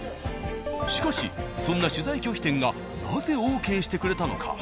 しかしそんな取材拒否店がなぜＯＫしてくれたのか？